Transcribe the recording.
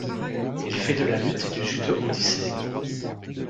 Il fait de la lutte et du judo au lycée.